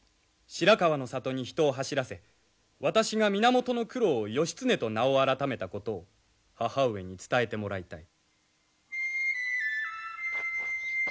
白河の里に人を走らせ私が源九郎義経と名を改めたことを母上に伝えてもらいたい。